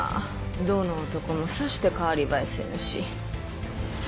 どの男もさして代わり映えせぬし。